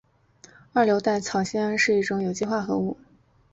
二硫代草酰胺是一种有机化合物。